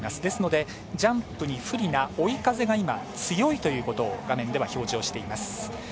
ですので、ジャンプに不利な追い風が強いということを画面では表示しています。